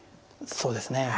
そうですね。